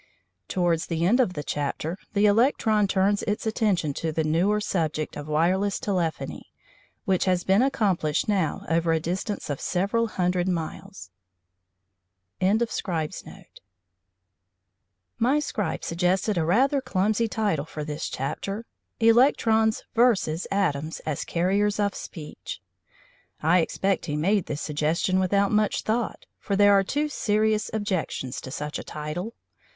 Towards the end of the chapter the electron turns its attention to the newer subject of wireless telephony, which has been accomplished now over a distance of several hundred miles. CHAPTER XI HOW WE REPRODUCE SPEECH My scribe suggested a rather clumsy title for this chapter "Electrons versus atoms as carriers of speech." I expect he made this suggestion without much thought, for there are two serious objections to such a title.